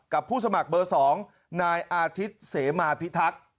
ผู้สมัครเบอร์๒นายอาทิตย์เสมาพิทักษ์